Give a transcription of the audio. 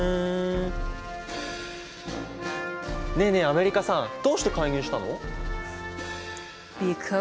アメリカさんどうして介入したの？